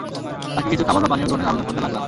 তাকে কিছু খাবার বা পানীয় গ্রহণের আবেদন করতে লাগলাম।